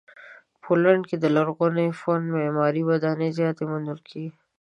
پولنډ کې د لرغوني فن معماري ودانۍ زیاتې موندل کیږي.